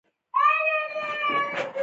. ناڅاپه ډز شو، له تيږې وړه ټوټه بېله شوه.